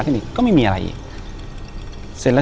อยู่ที่แม่ศรีวิรัยิลครับ